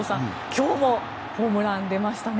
今日もホームランが出ましたね。